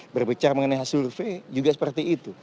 berbicara mengenai hasil survei juga seperti itu